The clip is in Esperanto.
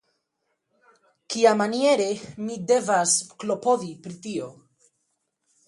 Kiamaniere mi devas klopodi pri tio?